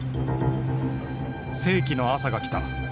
「世紀の朝が来た。